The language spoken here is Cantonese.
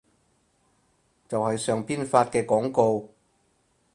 就係上邊發嘅廣告